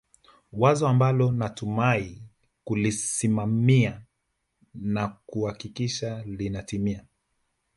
wazo ambalo natumai kulisimamia na kuhakikisha linatimia